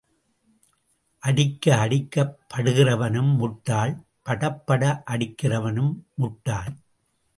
அடிக்க அடிக்கப் படுகிறவனும் முட்டாள் படப்பட அடிக்கிறவனும் முட்டாள்.